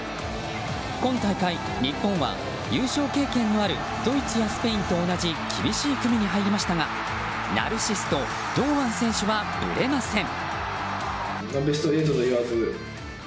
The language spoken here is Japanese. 今大会、日本は、優勝経験のあるドイツやスペインと同じ厳しい組に入りましたがナルシスト、堂安選手はぶれません。